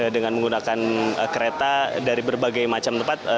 dengan menggunakan kereta dari berbagai macam tempat